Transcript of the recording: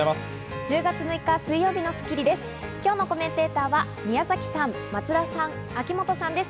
１０月６日、水曜日の『スッキリ』です。